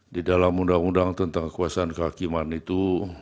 di dalam undang undang tentang kekuasaan kehakiman itu